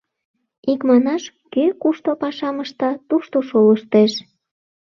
Икманаш, кӧ кушто пашам ышта — тушто шолыштеш.